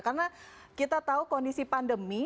karena kita tahu kondisi pandemi